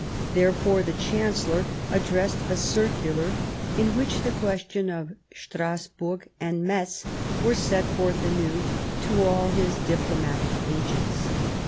;;' y Therefore the Chancellor addressed a circular, in ^;' which the question of Strasburg and Metz was set forth anew, to all his diplomatic agents.